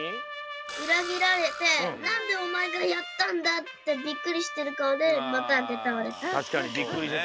うらぎられて「なんでおまえがやったんだ？」ってビックリしてるかおでバタンってたおれた。